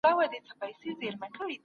بدلون باید د خلګو په شعور کي راسي.